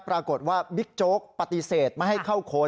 ปรากฏว่าบิ๊กโจ๊กปฏิเสธไม่ให้เข้าค้น